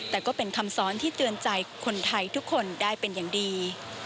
แต่ก็เป็นคำซ้อนที่เตือนใจคนไทยทุกคนได้เป็นอย่างดี